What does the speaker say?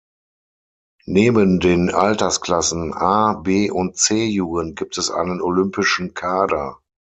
Neben den Altersklassen A-, B- und C-Jugend gibt es einen Olympischen Kader.